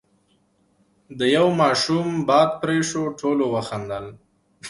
، د يوه ماشوم باد پرې شو، ټولو وخندل،